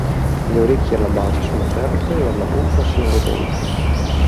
Le orecchie alla base sono aperte e alla punta sono rotonde.